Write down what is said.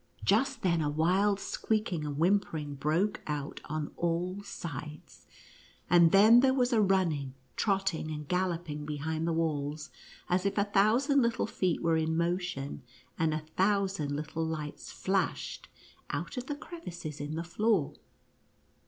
Just then a wild squeaking and whimpering broke out on all sides, and then there was a running, trotting and galloping behind the walls, as if a thousand little feet were in motion, and a thousand little lights flashed out of the crev ices in the floor.